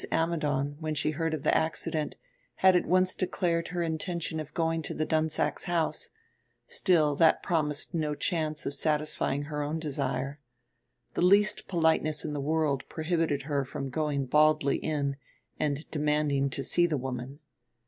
Ammidon, when she heard of the accident, had at once declared her intention of going to the Dunsacks' house; still that promised no chance of satisfying her own desire. The least politeness in the world prohibited her from going baldly in and demanding to see the woman.